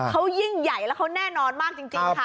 เขายิ่งใหญ่แล้วเขาแน่นอนมากจริงค่ะ